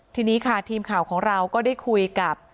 ทีนี้ค่ะทีมข่าวของเราก็ได้คุยกับ